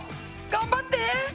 頑張って！